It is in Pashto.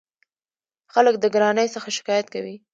خلک د ګرانۍ څخه شکایت کوي.